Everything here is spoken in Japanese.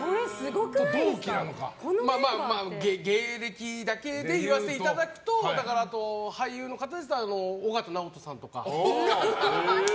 芸歴だけで言わせていただくとあと俳優の方ですと緒形直人さんとか。